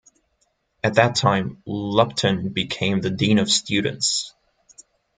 At that time Lupton became the dean of students.